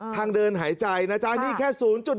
ทางเดินหายใจนะจ๊ะนี่แค่๐๑